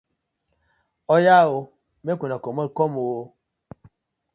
Oya ooo!! Mek una komot kom oo!